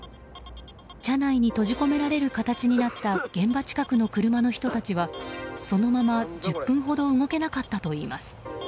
車内に閉じ込められる形になった現場近くの車の人たちはそのまま１０分ほど動けなかったといいます。